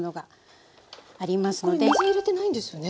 これ水を入れてないんですよね？